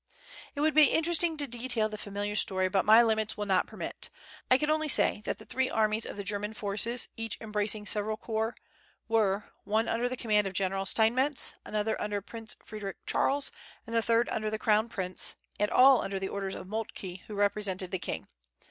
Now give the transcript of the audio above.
It would be interesting to detail the familiar story; but my limits will not permit. I can only say that the three armies of the German forces, each embracing several corps, were, one under the command of General Steinmetz, another under Prince Frederic Charles, and the third under the crown prince, and all under the orders of Moltke, who represented the king.